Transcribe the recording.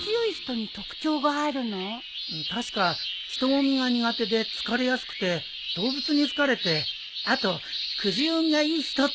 確か人混みが苦手で疲れやすくて動物に好かれてあとくじ運がいい人って言ってたな。